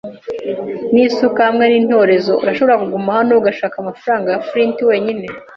'n'isuka, hamwe n'intorezo. Urashobora kuguma hano ugashaka amafaranga ya Flint wenyine. '